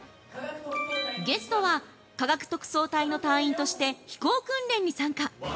ゲストは、科学特捜隊の隊員として飛行訓練に参加。